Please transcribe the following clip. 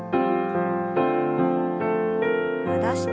戻して。